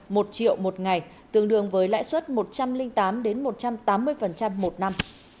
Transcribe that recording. một ngày tương đương với lãi suất một trăm linh tám đến một trăm tám mươi một năm